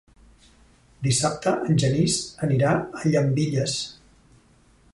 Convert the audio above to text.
Dissabte en Genís anirà a Llambilles.